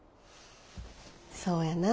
そうやな。